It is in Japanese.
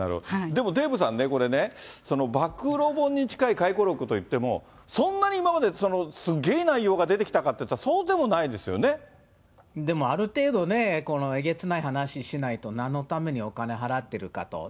でも、デーブさんね、これね、暴露本に近い回顧録といっても、そんなに今まですげえ内容が出てきたかといったら、でも、ある程度、えげつない話しないと、なんのためにお金払ってるかと。